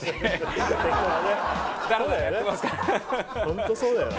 本当そうだよ。